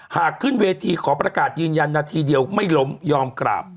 หากขึ้นเวทีขอประกาศยืนยันนาทีเดียวไม่ล้มยอมกราบ